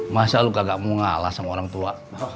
masya allah kagak mau ngalas sama orang tua